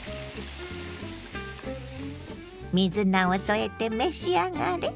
水菜を添えて召し上がれ。